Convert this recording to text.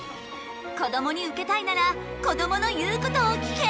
こどもにウケたいならこどもの言うことを聞け！